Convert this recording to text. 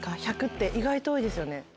１００って意外と多いですよね。